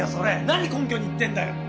何根拠に言ってんだよ！？